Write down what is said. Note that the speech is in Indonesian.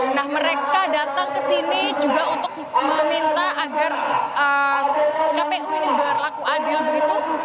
nah mereka datang ke sini juga untuk meminta agar kpu ini berlaku adil begitu